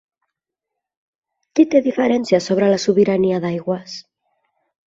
Qui té diferències sobre la sobirania d'aigües?